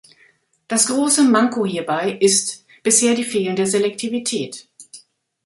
Das große Manko hierbei ist bisher die fehlende Selektivität.